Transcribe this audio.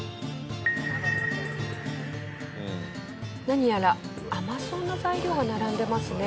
何やら甘そうな材料が並んでますね。